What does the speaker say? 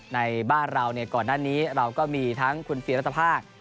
ในบ้านเราก่อนหน้านี้เราก็มีทั้งคุณฟิลรัฐภาค